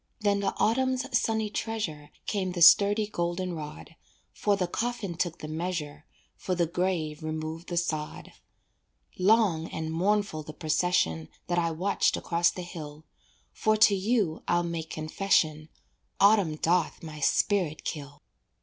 Then the autumn's sunny treasure Came the sturdy golden rod, For the coffin took the measure, For the grave removed the sod. Long and mournful the procession That I watched across the hill, For to you I'll make confession, Autumn doth my spirit kill.